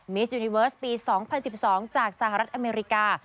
ยูนิเวิร์สปี๒๐๑๒จากสหรัฐอเมริกา